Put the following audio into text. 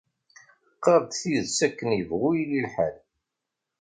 Qqar-d tidet akken yebɣu yili lḥal.